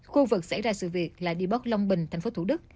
khu vực xảy ra sự việc là đề bốt long bình tp thủ đức